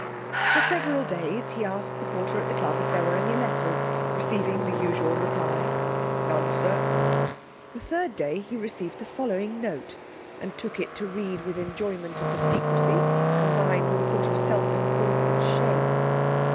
For several days he asked the porter at the club if there were any letters, receiving the usual reply, 'None, sir.' The third day he received the following note, and took it to read with enjoyment of the secrecy combined with a sort of self important shame.